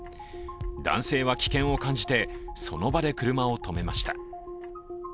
男性は危険を感じて、その場で車を止めました。